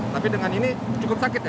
tapi dengan ini cukup sakit ya